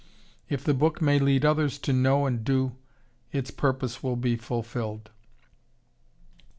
If the book may lead others to know and do, its purpose will be fulfilled.